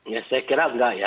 ya saya kira bilang ya